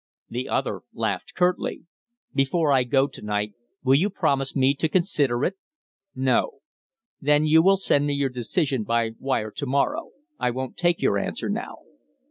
The other laughed curtly. "Before I go to night will you promise me to consider it?" "No." "Then you will send me your decision by wire to morrow. I won't take your answer now."